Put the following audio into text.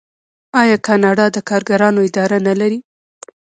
آیا کاناډا د کارګرانو اداره نلري؟